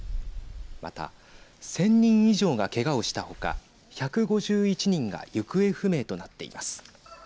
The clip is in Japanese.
また、１０００人以上がけがをした他１５１人が行方不明となっています。